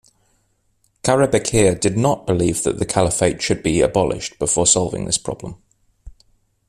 Karabekir did not believe that the caliphate should be abolished before solving this problem.